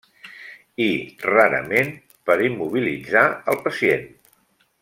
I, rarament, per immobilitzar el pacient.